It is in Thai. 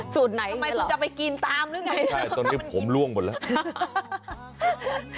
สูตรไหนทำไมคุณจะไปกินตามหรือไงตอนนี้ผมร่วงหมดแล้ว